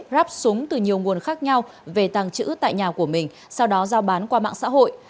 ráp súng từ nhiều nguồn khác nhau về tàng trữ tại nhà của mình sau đó giao bán qua mạng xã hội